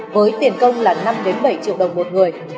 với tiền công là năm bảy triệu đồng một người